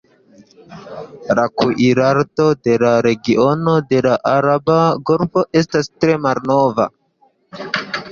La kuirarto de la regiono de la araba golfo estas tre malnova.